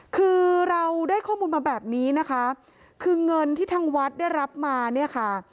คือเราได้ข้อมูลมาแบบนี้นะคะคือเงินที่ทางวัดได้รับมาเนี่ยค่ะ